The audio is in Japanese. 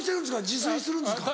自炊するんですか？